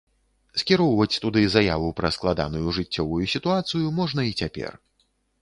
Скіроўваць туды заяву пра складаную жыццёвую сітуацыю можна і цяпер.